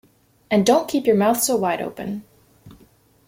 And don’t keep your mouth so wide open!